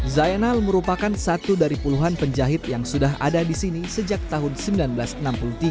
zainal merupakan satu dari puluhan penjahit yang sudah ada di sini sejak tahun seribu sembilan ratus enam puluh tiga